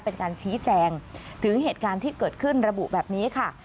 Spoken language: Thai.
เป็นการชี้แจงถึงเหตุการณ์ที่เกิดขึ้นระบุแบบนี้ค่ะ